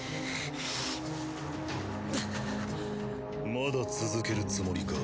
まだ続けるつもりか。